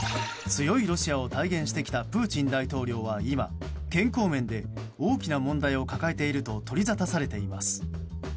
強いロシアを体現してきたプーチン大統領は今健康面で大きな問題を抱えていると取りざたされています。